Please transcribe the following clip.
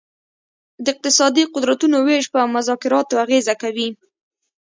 د اقتصادي قدرتونو ویش په مذاکراتو اغیزه کوي